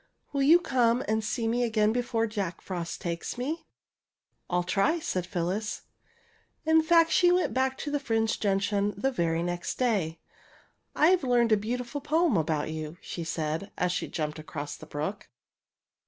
Will you come and see me again before Jack Frost takes me? " ^^I'U try," said PhyUis. In fact, she went back to the fringed gen tian the very next day. I've learned a beautiful poem about you," she said, as she jmiiped across the brook.